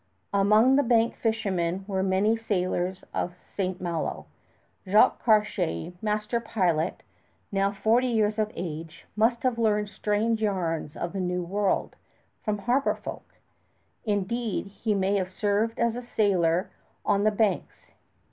Among the Bank fishermen were many sailors of St. Malo. Jacques Cartier, master pilot, now forty years of age, must have learned strange yarns of the New World from harbor folk. Indeed, he may have served as sailor on the Banks.